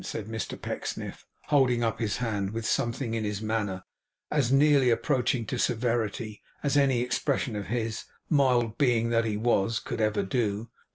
said Mr Pecksniff, holding up his hand with something in his manner as nearly approaching to severity as any expression of his, mild being that he was, could ever do.